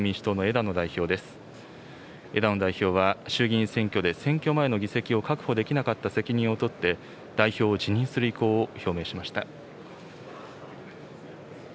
枝野代表は、衆議院選挙で選挙前の議席を確保できなかった責任を取って、代表を辞任する意向を表明しました。